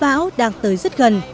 bão đang tới rất gần